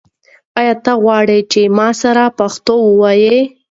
آیا غواړې چې زما سره پښتو ووایې؟